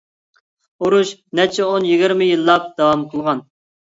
ئۇرۇش نەچچە ئون-يىگىرمە يىللاپ داۋام قىلغان.